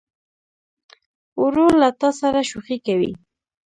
ورور له تا سره شوخي کوي.